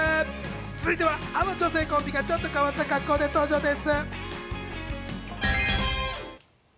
続いては、あの女性コンビがちょっと変わった格好で登場です。